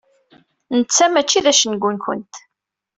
Netta mačči d acengu-nkent.